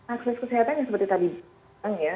akses kesehatan yang seperti tadi bilang ya